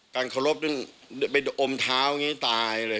การเคารพเป็นอมเท้าตายเลย